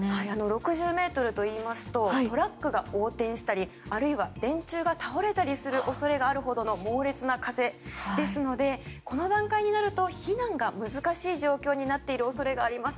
６０メートルといいますとトラックが横転したりあるいは電柱が倒れたりする恐れがあるほどの猛烈な風ですのでこの段階になると避難が難しい状況になっている恐れがあります。